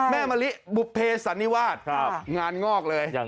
มะลิบุภเพสันนิวาสงานงอกเลย